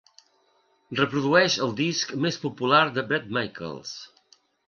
Reprodueix el disc més popular de Bret Michaels